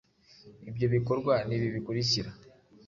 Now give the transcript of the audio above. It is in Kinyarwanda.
Ibyo bikorwa ni ibi bikurikira